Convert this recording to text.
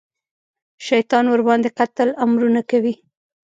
شیطان ورباندې د قتل امرونه کوي.